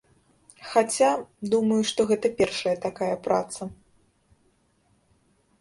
Хаця, думаю, што гэта першая такая праца.